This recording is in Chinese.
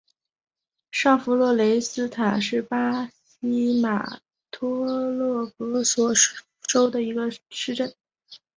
上弗洛雷斯塔是巴西马托格罗索州的一个市镇。